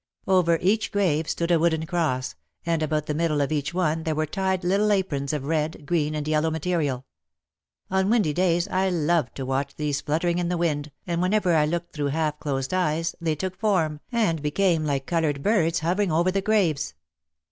Over each grave stood a wooden cross, and about the middle of each one there were tied little aprons of red, green and yellow material. On windy days I loved to watch these flutter ing in the wind and whenever I looked through half closed eyes they took form and became like coloured birds hovering over the graves.